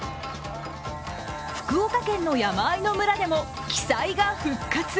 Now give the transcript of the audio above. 福岡県の山あいの村でも奇祭が復活。